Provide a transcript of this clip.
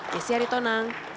desyari tonang jakarta